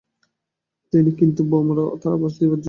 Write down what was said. কিন্তু বউমার কাছে তার আভাস দিবার জো কী!